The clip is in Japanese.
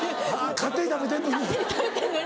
勝手に食べてんのに。